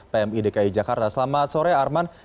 pmi dki jakarta selamat sore arman